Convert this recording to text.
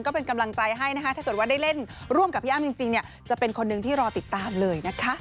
ก็เป็นกำลังใจให้นะคะถ้าเกิดว่าได้เล่นร่วมกับพี่อ้ำจริงเนี่ยจะเป็นคนหนึ่งที่รอติดตามเลยนะคะ